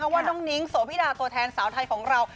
ว่าน้องนิ้งโสพิดาตัวแทนสาวไทยของเรา